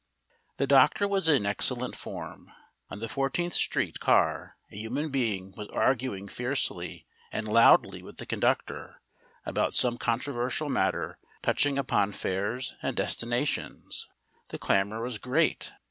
The doctor was in excellent form. On the Fourteenth Street car a human being was arguing fiercely and loudly with the conductor about some controversial matter touching upon fares and destinations. The clamour was great.